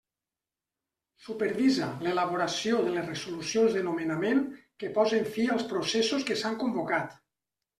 Supervisa l'elaboració de les resolucions de nomenament que posen fi als processos que s'han convocat.